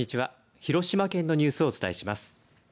広島県のニュースをお伝えします。